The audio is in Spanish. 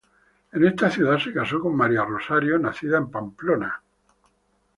En esta ciudad se casó con María Rosario, nacida en Pamplona, España.